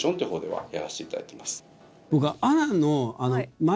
はい！